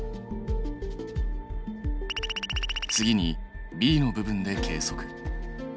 次にＢの部分で計測。